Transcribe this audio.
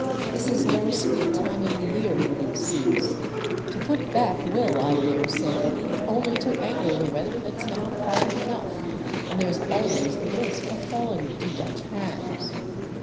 " This is no sweet time of the year in these seas ; to put back will, I daresay, be only to anger the weather that's now quiet enough, and there's always the risk of falling into Dutch hands."